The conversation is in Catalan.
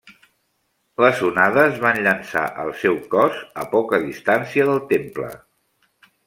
Les onades van llençar el seu cos a poca distància del temple.